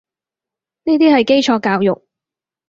呢啲係基礎教育